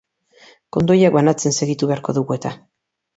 Kondoiak banatzen segitu beharko dugu eta.